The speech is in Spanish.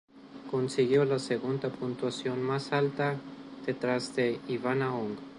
Consiguió la segunda puntuación más alta por detrás de Ivana Hong.